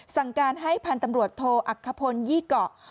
สั่งการให้พันธุ์ตำรวจโทอักขพลยี่เกาะ